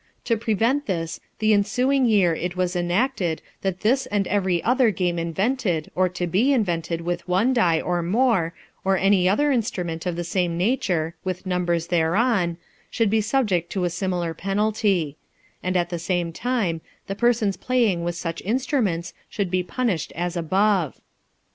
To prevent this, the ensuing year it was enacted, that this and every other game invented, or to be invented with one die, or more, or any other instru ment of the same nature, with numbers thereon, should be subject to a, similar penalty ; and at the same time, the persons playing with such instruments should be punished as above.